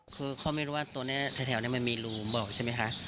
คือเขาไม่รู้ว่าตัวนี้แถวนี้มันมีรูมบอกใช่ไหมคะ